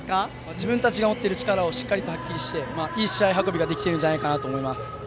自分たちが持っている力をしっかりと発揮していい試合運びができているんじゃないかなと思います。